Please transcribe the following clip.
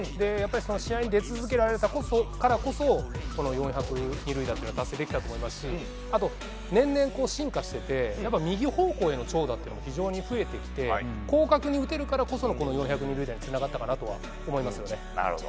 その試合に出続けられたからこそ４００二塁打を達成できたと思いますしあと年々進化していて右方向への長打が非常に増えてきて広角に打てるからこそ４００二塁打につながったかなと思います。